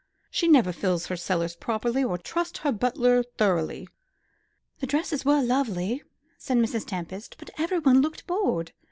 She never fills her cellars properly, or trusts her butler thoroughly." "The dresses were lovely," said Mrs. Tempest, "but everyone looked bored.